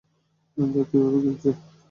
দেখ কীভাবে গিলছে!